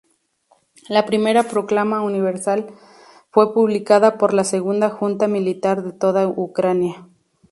La Primera Proclama Universal fue publicada por la segunda Junta Militar de toda Ucrania.